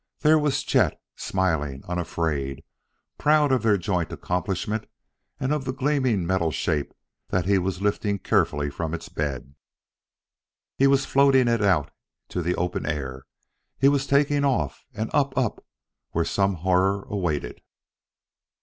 There was Chet, smiling, unafraid, proud of their joint accomplishment and of the gleaming metal shape that he was lifting carefully from its bed. He was floating it out to the open air; he was taking off, and up up where some horror awaited.